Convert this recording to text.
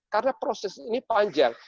karena proses ini panjang